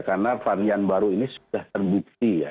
karena varian baru ini sudah terbukti ya